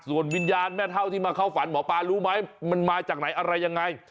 ส่วนวิญญาณแม่เท่าที่มาเข้าฝันหมอปลารู้ไหมมันมาจากไหนอะไรยังไง